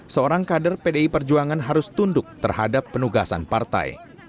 seorang kader pdi perjuangan harus tunduk terhadap penugasan partai